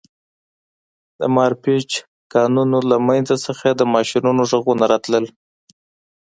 د مارپیچ کانونو له منځ څخه د ماشینونو غږونه راتلل